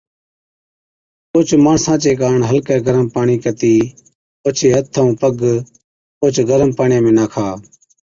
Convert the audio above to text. اوهچ ماڻسا چي ڪاڻ هلڪَي گرم پاڻِي ڪتِي اوڇي هٿ ائُون پگ اوهچ گرم پاڻِيان ۾ ناکا۔